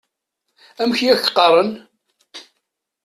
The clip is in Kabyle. Amek i ak-qqaṛen?